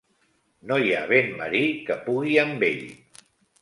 No hi ha vent marí que pugui amb ell.